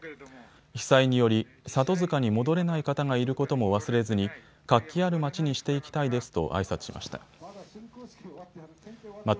被災により、里塚に戻れない方がいることも忘れずに活気ある街にしていきたいですとあいさつしました。